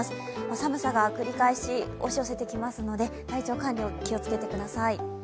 寒さが繰り返し押し寄せてきますので、体調管理、気をつけてください。